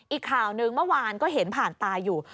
อีกข่าวหนึ่งเมื่อวานก็เห็นผ่านตาอยู่